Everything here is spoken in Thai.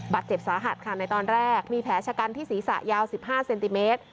บาดเจ็บสาหัสค่ะในตอนแรกมีแผลชะกันที่ศีรษะยาว๑๕เซนติเมตร